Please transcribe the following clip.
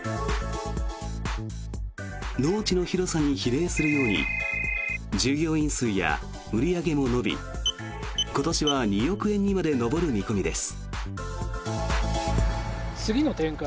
農地の広さに比例するように従業員数や売り上げも伸び今年は２億円にまで上る見込みです。